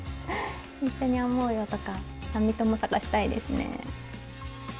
一緒に編もうよとか編み友探したいですね。